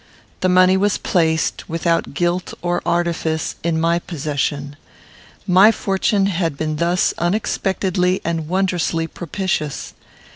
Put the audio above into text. The money was placed, without guilt or artifice, in my possession. My fortune had been thus unexpectedly and wondrously propitious.